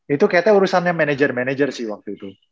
itu kayaknya urusannya manajer manajer sih waktu itu